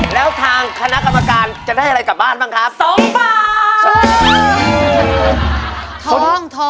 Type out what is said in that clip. แล้วทางคณะกรรมการจะได้อะไรกลับบ้านบ้างครับ๒บาท